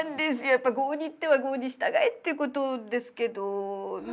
やっぱり郷に入っては郷に従えっていうことですけどね。